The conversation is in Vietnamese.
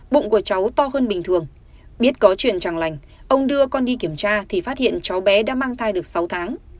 bụng của cháu to hơn bình thường biết có chuyện chẳng lành ông đưa con đi kiểm tra thì phát hiện cháu bé đã mang thai được sáu tháng